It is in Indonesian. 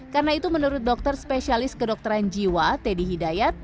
karena itu menurut dokter spesialis kedokteran jiwa teddy hidayat